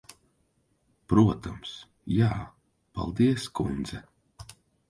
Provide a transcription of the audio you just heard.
Protams, jā. Paldies, kundze.